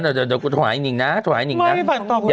เดี๋ยวกูถ่วงไอ้หนิงนะถ่วงไอ้หนิงนะไม่ปันต่อคุณแม่